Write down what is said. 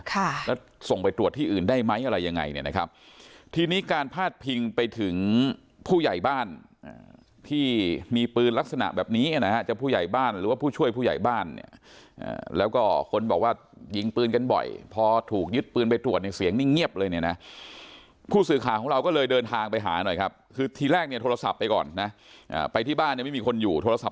ค่ะแล้วส่งไปตรวจที่อื่นได้ไหมอะไรยังไงเนี้ยนะครับทีนี้การพาดพิงไปถึงผู้ใหญ่บ้านอ่าที่มีปืนลักษณะแบบนี้นะฮะจะผู้ใหญ่บ้านหรือว่าผู้ช่วยผู้ใหญ่บ้านเนี้ยอ่าแล้วก็คนบอกว่ายิงปืนกันบ่อยพอถูกยึดปืนไปตรวจเนี้ยเสียงนี่เงียบเลยเนี้ยนะผู้สื่อขาของเราก็เลยเดินทางไปหาหน่อยครับคือทีแรกเนี้ย